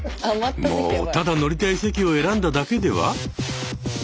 もうただ乗りたい席を選んだだけでは？